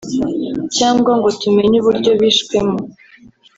cyangwa ngo tumenye uburyo bishwemo”